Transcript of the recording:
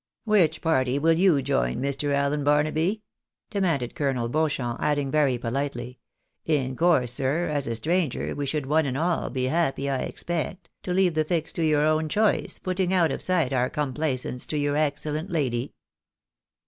" Which party will you join. Major Allen Barnaby? " demanded Colonel Beauchamp, adding very politely —" In course, sir, as a stranger, we should one and all be happy, I expect, to leave the fix to your own choice, putting out of sight our complaisance to your excellent lady."